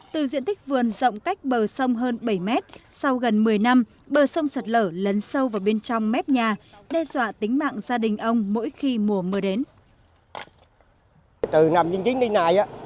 từ diện tích vườn rộng cách bờ sông hơn bảy mét sau gần một mươi năm bờ sông sạt lở lấn sâu vào bên trong mép nhà đe dọa tính mạng gia đình ông mỗi khi mùa mưa đến